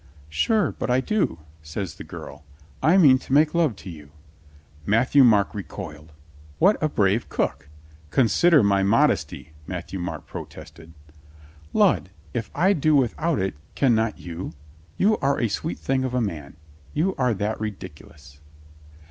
"Sure, but I do," says the girl. "I mean to make love to you." Matthieu Marc recoiled. "What a brave cook!" "Consider my modesty," Matthieu Marc pro tested. "Lud, if I do without it, can not you? You are a sweet thing of a man. You are that ridiculous."